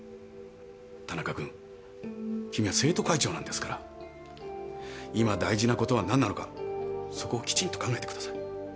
田中君君は生徒会長なんですから今大事なことは何なのかそこをきちんと考えてください。